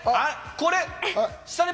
これ。